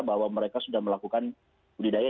bahwa mereka sudah melakukan budidaya